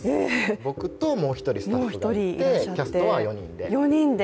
僕ともう１人スタッフがいてキャストは４人で。